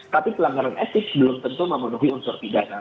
tapi pelanggaran etik belum tentu memenuhi unsur pidana